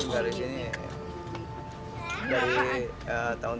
dari tahun dua ribu tujuh